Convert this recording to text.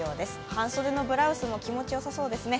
半袖のブラウスも気持ちよさそうですね。